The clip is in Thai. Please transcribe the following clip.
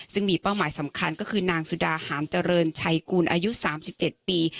ซึ่งมีเป้าหมายสำคัญก็คือนางสุดาหามเจริญชัยกูลอายุ๓๗ปี